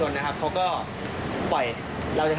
โอเคนะครับขอบคุณนะครับ